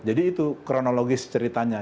jadi itu kronologis ceritanya